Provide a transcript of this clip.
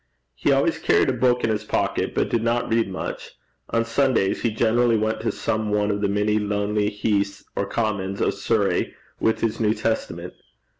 He always carried a book in his pocket, but did not read much. On Sundays he generally went to some one of the many lonely heaths or commons of Surrey with his New Testament.